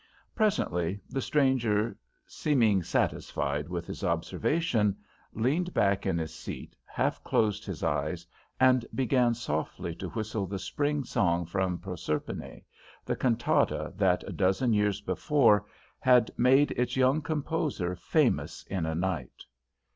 Presently the stranger, seeming satisfied with his observation, leaned back in his seat, half closed his eyes, and began softly to whistle the Spring Song from Proserpine, the cantata that a dozen years before had made its young composer famous in a night.